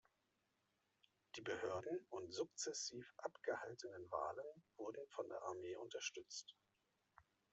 Die Behörden und sukzessiv abgehaltenen Wahlen wurden von der Armee unterstützt.